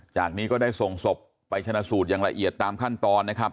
นี้ก็ได้ส่งศพไปชนะสูตรอย่างละเอียดตามขั้นตอนนะครับ